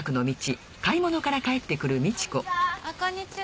こんにちは。